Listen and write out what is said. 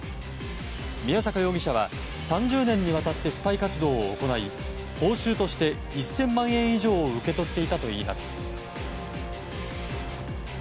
宮坂容疑者は３０年にわたってスパイ活動を行い報酬として１０００万円以上を受け取っていたといいます。